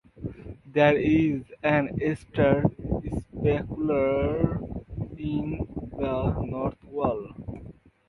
There is an Easter sepulchre in the north wall.